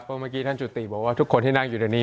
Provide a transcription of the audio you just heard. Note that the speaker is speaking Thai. เพราะเมื่อกี้ท่านจุติบอกว่าทุกคนที่นั่งอยู่ในนี้